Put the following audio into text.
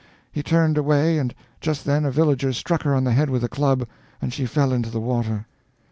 He turned away, and just then a villager struck her on the head with a club, and she fell into the water.